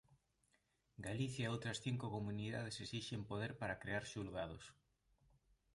Galicia e outras cinco comunidades esixen poder para crear xulgados